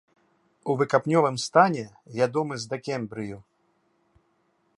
У выкапнёвым стане вядомы з дакембрыю.